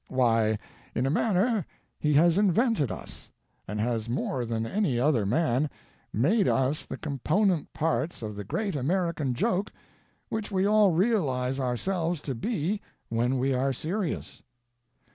why, in a manner, he has invented us, and has more than any other man made us the component parts of the great American joke which we all realize ourselves to be when we are serious.